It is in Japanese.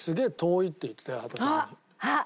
あっ！